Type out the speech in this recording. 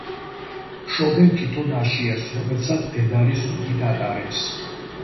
შობენ თითო ნაშიერს, რომელსაც დედალი ზურგით ატარებს.